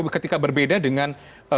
ketika berbeda dengan